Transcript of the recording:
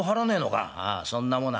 「ああそんなもの